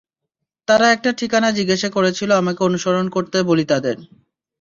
তারা একটা ঠিকানা জিজ্ঞেস করেছিলো, আমাকে অনুসরণ করতে বলি তাদের।